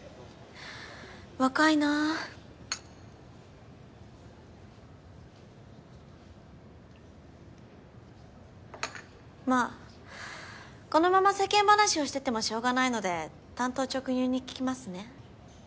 若いなぁまぁこのまま世間話をしててもしょうがないので単刀直入に聞きますね